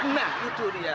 nah itu dia